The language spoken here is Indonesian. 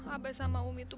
abis sama umi tuh